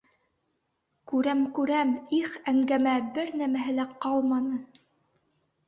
— Күрәм, күрәм, их әңгәмә, бер нәмәһе лә ҡалманы!